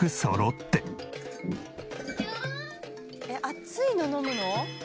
あっついの飲むの？」